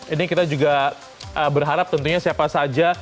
ini kita juga berharap tentunya siapa saja